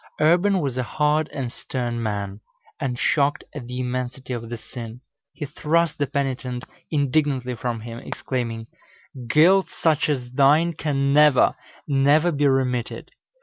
Urban was a hard and stern man, and shocked at the immensity of the sin, he thrust the penitent indignantly from him, exclaiming, "Guilt such as thine can never, never be remitted.